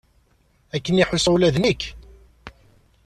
Akken i ḥusseɣ ula d nekk.